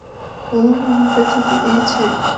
ও আমার মুখে থুথু দিয়েছে!